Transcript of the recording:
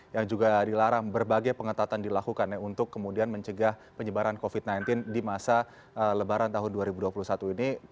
yang juga dilarang berbagai pengetatan dilakukannya untuk kemudian mencegah penyebaran covid sembilan belas di masa lebaran tahun dua ribu dua puluh satu ini